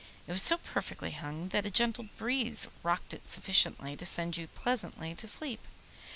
It was so perfectly hung that a gentle breeze rocked it sufficiently to send you pleasantly to sleep.